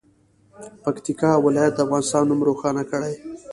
پکتیکا ولایت د افغانستان نوم روښانه کړي.